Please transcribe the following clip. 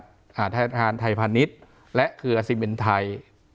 ศิลป์สวรรคธรรมศาสตร์ธรรมศาสตร์ไทยพาณิชย์และเครือสิเมนไทย